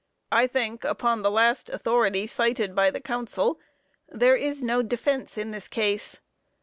I think upon the last authority cited by the counsel there is no defense in this case.